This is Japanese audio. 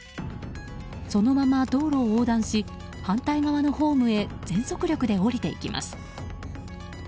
そのまま道路を横断し反対側のホームへ全速力で下りていきます。